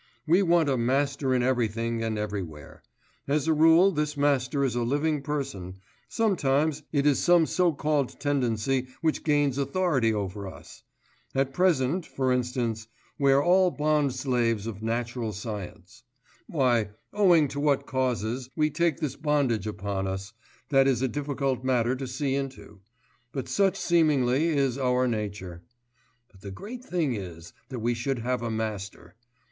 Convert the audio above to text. We want a master in everything and everywhere; as a rule this master is a living person, sometimes it is some so called tendency which gains authority over us.... At present, for instance, we are all the bondslaves of natural science.... Why, owing to what causes, we take this bondage upon us, that is a matter difficult to see into; but such seemingly is our nature. But the great thing is, that we should have a master.